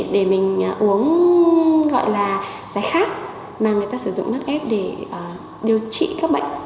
để mình uống gọi là giải khát mà người ta sử dụng nước ép để điều trị các bệnh